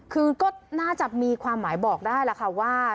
คือก็น่าจะมีความหมายบอกได้แหละค่ะว่า